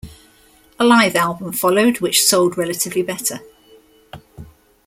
A live album followed which sold relatively better.